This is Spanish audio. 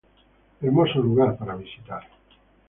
Hermoso lugar para visitar.